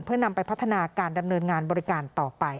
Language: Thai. เพื่อนำไปพัฒนาการดำเนินงานบริการต่อไป